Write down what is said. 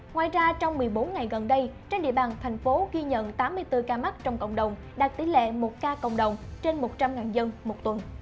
ngoài ra trong một mươi bốn ngày gần đây trên địa bàn thành phố ghi nhận tám mươi bốn ca mắc trong cộng đồng đạt tỷ lệ một ca cộng đồng trên một trăm linh dân một tuần